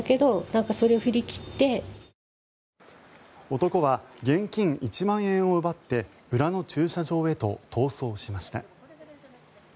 男は現金１万円を奪って裏の駐車場へと逃走しました。